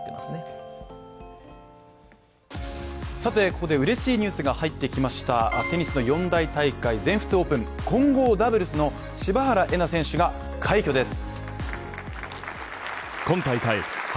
ここで嬉しいニュースが入ってきましたテニスの４大大会全仏オープン、混合ダブルスの柴原瑛菜選手が、快挙です。